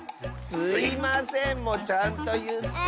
「すいません」もちゃんといって。